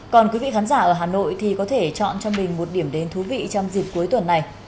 còn quý vị khán giả ở hà nội thì có thể chọn cho mình một điểm đến thú vị trong dịp cuối tuần này